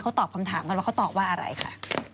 เขาตอบคำถามกันว่าเขาตอบว่าอะไรคะ